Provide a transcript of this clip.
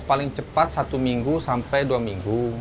paling cepat satu minggu sampai dua minggu